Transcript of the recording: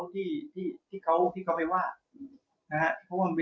ตอนนี้ก็ไม่เหลือกับตัวของเรา